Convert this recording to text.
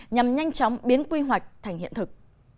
nhằm nhanh chóng biến quy hoạch thành hiện thực